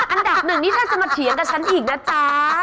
อันดับหนึ่งนี่น่าจะมาเถียงกับฉันอีกนะจ๊ะ